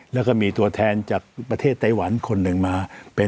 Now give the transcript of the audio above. แล้วก็มีตัวแทนจากประเทศไต้หวันคนหนึ่งมาเป็น